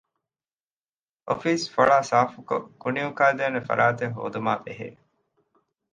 އޮފީސް ފޮޅާ ސާފުކޮށް ކުނިއުކާދޭނެ ފަރާތެއް ހޯދުމާބެހޭ